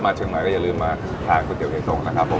เชียงใหม่ก็อย่าลืมมาทานก๋วยเตี๋ยจงนะครับผม